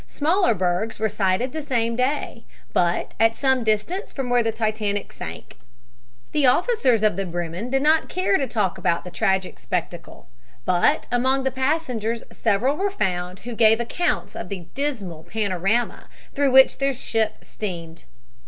Smaller bergs were sighted the same day, but at some distance from where the Titanic sank. The officers of the Bremen did not care to talk about the tragic spectacle, but among the passengers several were found who gave accounts of the dismal panorama through which their ship steamed.